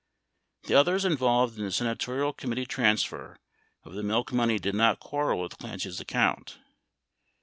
31 The others involved in the senatorial committee transfer of the milk money do not quarrel with Clancy's account.